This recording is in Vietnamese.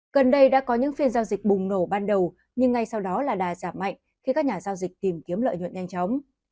gần đây đã có những phiên giao dịch bùng nổ ban đầu nhưng ngay sau đó là đà giảm mạnh khi các nhà giao dịch tìm kiếm lợi nhuận nhanh chóng